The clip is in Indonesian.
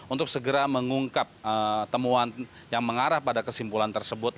untuk segera mengungkap temuan yang mengarah pada kesimpulan tersebut